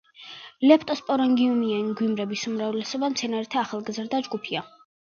ლეპტოსპორანგიუმიანი გვიმრების უმრავლესობა მცენარეთა ახალგაზრდა ჯგუფია.